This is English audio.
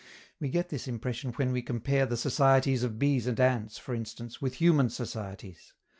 We get this impression when we compare the societies of bees and ants, for instance, with human societies.